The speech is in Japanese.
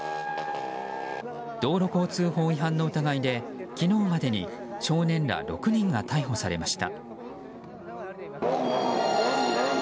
道路交通法違反の疑いで昨日までに少年ら６人が逮捕されました。